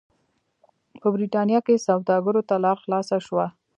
په برېټانیا کې سوداګرو ته لار خلاصه شوه.